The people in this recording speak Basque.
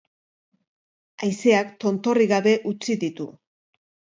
Haizeak tontorrik gabe utzi ditu.